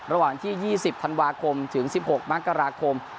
ระหว่างที่๒๐ธันวาคมถึง๑๖มกราคม